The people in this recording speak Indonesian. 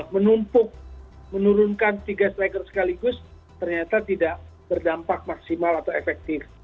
menumpuk menurunkan tiga striker sekaligus ternyata tidak berdampak maksimal atau efektif